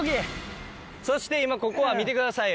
そして今ここは見てください。